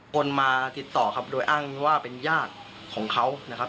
คนมาติดต่อครับโดยอ้างว่าเป็นญาติของเขานะครับ